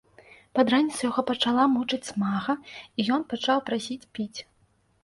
Пад раніцу яго пачала мучыць смага, і ён пачаў прасіць піць.